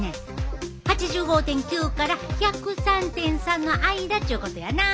８５．９から１０３．３の間っちゅうことやな。